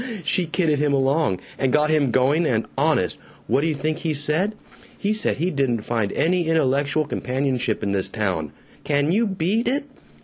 she kidded him along, and got him going, and honest, what d'you think he said? He said he didn't find any intellectual companionship in this town. Can you BEAT it?